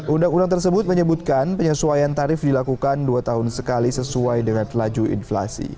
undang undang tersebut menyebutkan penyesuaian tarif dilakukan dua tahun sekali sesuai dengan telaju inflasi